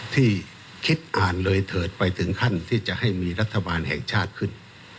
ที่คิดอ่านเลยเถิดไปถึงขั้นที่จะให้มีรัฐบาลแห่งชาติขึ้น